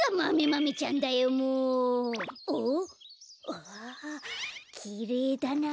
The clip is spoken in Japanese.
わあきれいだな。